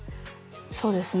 そうですね